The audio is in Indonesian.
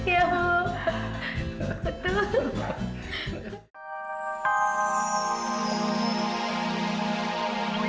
selamat ya asma